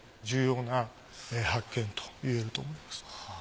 重要な発見と言えると思います。